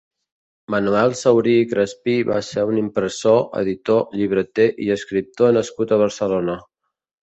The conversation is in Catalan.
Manuel Saurí i Crespí va ser un impressor, editor, llibreter i escriptor nascut a Barcelona.